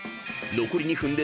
残り２分で］